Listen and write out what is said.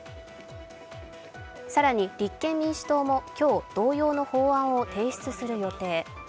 更に、立憲民主党も今日、同様の法案を提出する予定。